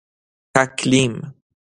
تکلیم